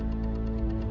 nanti aku akan datang